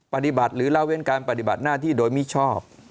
ปฏิบัติหรือละเว้นการปฏิบัติหน้าที่โดยมิชอบ